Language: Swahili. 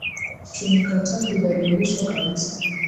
Tumekataa kudhalilishwa kabisa